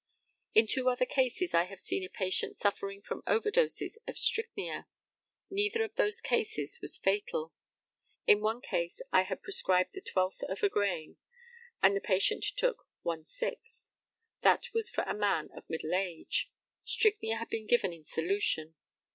] In two other cases I have seen a patient suffering from over doses of strychnia. Neither of those cases was fatal. In one case I had prescribed the twelfth of a grain, and the patient took one sixth. That was for a man of middle age. Strychnia had been given in solution.